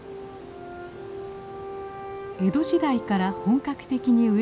江戸時代から本格的に植え始め